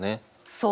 そう。